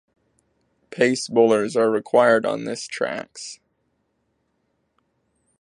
Pace bowlers are required on this tracks.